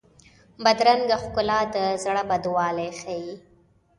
بدرنګه ښکلا د زړه بدوالی ښيي